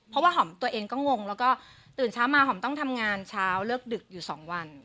เพราะว่าหอมตัวเองก็งงแล้วก็ตื่นเช้ามาหอมต้องทำงานเช้าเลิกดึกอยู่๒วัน